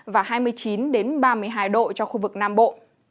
và hai mươi chín ba mươi hai độ cho khu vực nam bộ